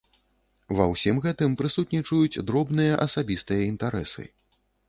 Ва ўсім гэтым прысутнічаюць дробныя асабістыя інтарэсы.